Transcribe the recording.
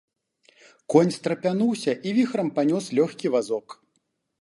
Конь страпянуўся і віхрам панёс лёгкі вазок.